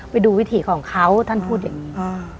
ไปดูวิถีของเขาท่านพูดอย่างนี้